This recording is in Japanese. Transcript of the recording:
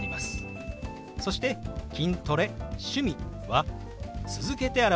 そして「筋トレ趣味」は続けて表しますよ。